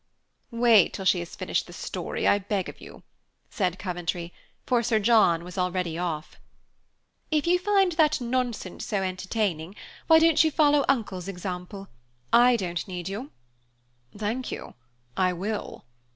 "Wait until she has finished that story, I beg of you," said Coventry, for Sir John was already off. "If you find that nonsense so entertaining, why don't you follow Uncle's example? I don't need you." "Thank you. I will."